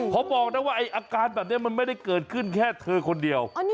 เขาบอกนะว่าไอ้อาการแบบนี้มันไม่ได้เกิดขึ้นแค่เธอคนเดียว